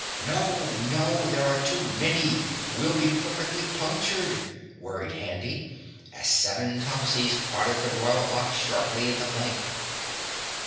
"No! No! There are too many, we'll be perfectly punctured," worried Handy, as seven Topsies prodded the Royal Ox sharply in the flank.